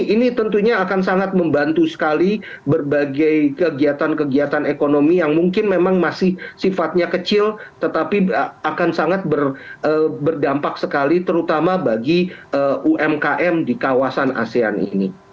ini tentunya akan sangat membantu sekali berbagai kegiatan kegiatan ekonomi yang mungkin memang masih sifatnya kecil tetapi akan sangat berdampak sekali terutama bagi umkm di kawasan asean ini